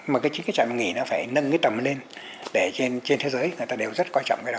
mà những trạm dừng nghỉ phải nâng tầm lên để trên thế giới người ta đều rất quan trọng